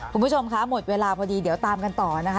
คุณผู้ชมคะหมดเวลาพอดีเดี๋ยวตามกันต่อนะคะ